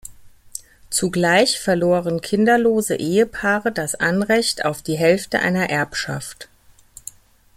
Zugleich verloren kinderlose Ehepaare das Anrecht auf die Hälfte einer Erbschaft.